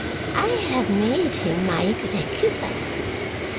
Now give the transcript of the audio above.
I have made him my executor.